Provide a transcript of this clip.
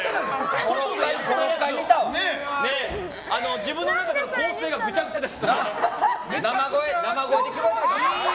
自分の中での構成がぐちゃぐちゃです。